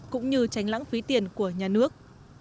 cũng như tránh lãng phí tiền của nhà nước